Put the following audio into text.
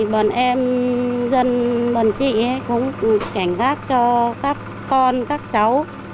bọn em dân bọn chị cũng cảnh giác cho các con các cháu